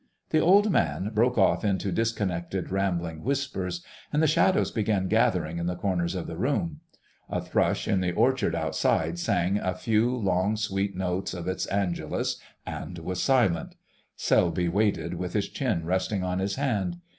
The old man broke off into disconnected, rambling whispers, and the shadows began gathering in the corners of the room. A thrush in the orchard outside sang a few long, sweet notes of its Angelus and was silent. Selby waited with his chin resting in his hand.